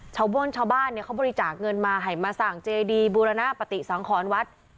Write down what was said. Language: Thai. โบ้นชาวบ้านเนี่ยเขาบริจาคเงินมาให้มาสั่งเจดีบูรณปฏิสังขรวัด